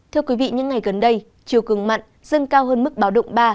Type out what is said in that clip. thưa quý vị những ngày gần đây triều cường mặn dân cao hơn mức báo động ba